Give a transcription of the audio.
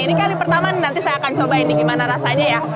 ini kali pertama nanti saya akan coba ini gimana rasanya ya